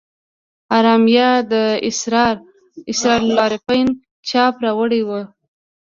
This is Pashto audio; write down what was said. ارمایي د اسرار العارفین چاپه راوړي ول.